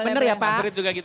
benar ya pak